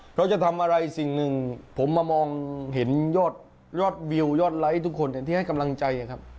เราจะทำอะไรสิ่งหนึ่งผมมามองเห็นยอดวิวยอดไลค์ทุกคนที่ให้กำลังใจครับ